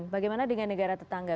bagaimana dengan negara tetangga